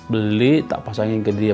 beli tak pasangin ke dia